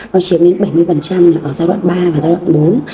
nó chiếm đến bảy mươi là ở giai đoạn ba và giai đoạn bốn